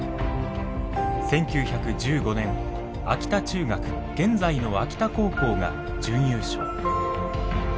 １９１５年、秋田中学現在の秋田高校が準優勝。